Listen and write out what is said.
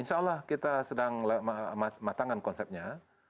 insya allah kita sedang matangkan konsepnya